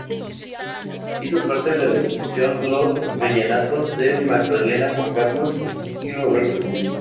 Hizo parte de la agrupación Los Vallenatos del Magdalena con Carlos y Roberto Román.